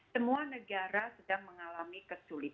semua negara sedang mengalami kesulitan